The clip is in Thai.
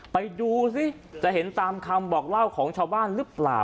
ไปดูสิจะเห็นตามคำบอกเล่าของชาวบ้านหรือเปล่า